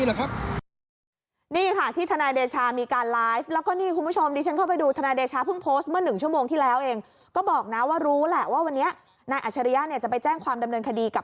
หลักถามไม่มีเหรอครับ